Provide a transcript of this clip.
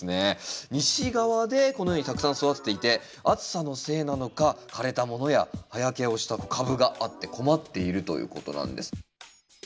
西側でこのようにたくさん育てていて暑さのせいなのか枯れたものや葉焼けをした株があって困っているということなんです。